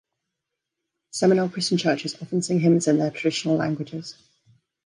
Seminole Christian churches often sing hymns in their traditional languages.